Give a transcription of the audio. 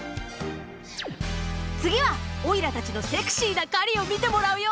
次はおいらたちのセクシーな狩りを見てもらうよ。